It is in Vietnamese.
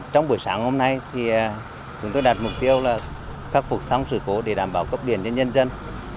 trong buổi sáng hôm nay thì chúng tôi đặt mục tiêu là khắc phục xong sự cố để đảm bảo cấp điện cho nhân dân